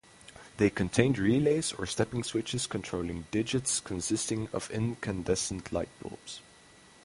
They contained relays or stepping switches controlling digits consisting of incandescent light bulbs.